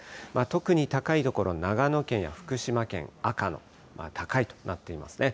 特に高い所、長野県や福島県、赤の高いとなっていますね。